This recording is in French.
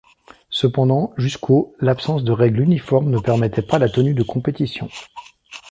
Cependant jusqu'au l'absence de règles uniformes ne permettait pas la tenue de compétitions.